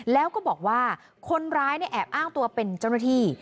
แล้วก็บอกว่าคนร้ายเนี่ยแอบอ้างตัวเป็นเจ้าหน้าที่